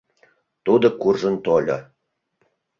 Тудо куржын тольо.